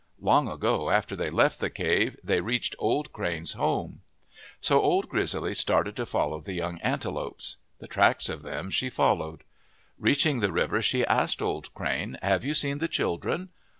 Long ago, after they left the cave, they reached Old Crane's home." So Old Grizzly started to follow the young antelopes; the tracks of them she followed. Reaching the river, she asked Old Crane, " Have you seen the children?'